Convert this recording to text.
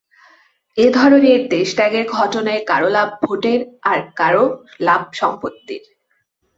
এ ধরনের দেশত্যাগের ঘটনায় কারও লাভ ভোটের, আর কারও লাভ সম্পত্তির।